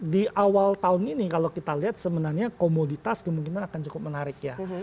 di awal tahun ini kalau kita lihat sebenarnya komoditas kemungkinan akan cukup menarik ya